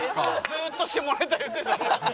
ずーっと下ネタ言ってたから。